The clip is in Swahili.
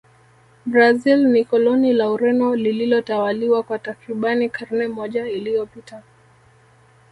brazil ni koloni la ureno lililotawaliwa kwa takribani karne moja iliyopita